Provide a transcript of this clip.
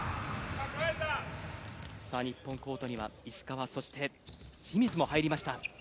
日本、コートには石川そして、清水も入りました。